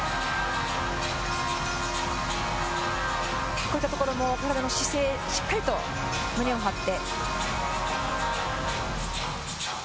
こういったところも姿勢、しっかりと胸を張って。